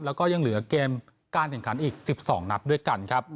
แล้วก็ยังเหลือเกมการแข่งขันอีก๑๒นัดด้วยกันครับ